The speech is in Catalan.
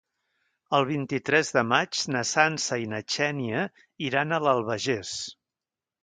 El vint-i-tres de maig na Sança i na Xènia iran a l'Albagés.